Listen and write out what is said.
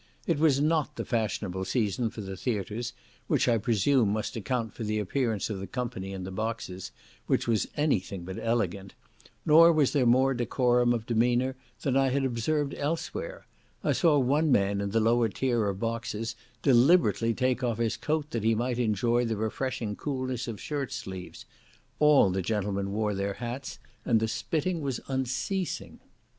It was not the fashionable season for the theatres, which I presume must account for the appearance of the company in the boxes, which was any thing but elegant; nor was there more decorum of demeanour than I had observed elsewhere; I saw one man in the lower tier of boxes deliberately take off his coat that he might enjoy the refreshing coolness of shirt sleeves; all the gentlemen wore their hats, and the spitting was unceasing.